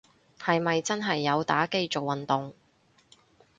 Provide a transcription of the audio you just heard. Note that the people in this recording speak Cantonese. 係咪真係有打機做運動